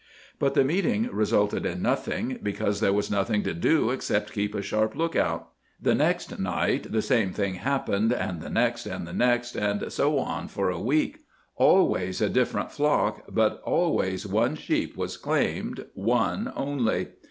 But the meeting resulted in nothing, because there was nothing to do except keep a sharp lookout. The next night the same thing happened, and the next, and the next, and so on for a week. Always a different flock, but always one sheep was claimed, one only.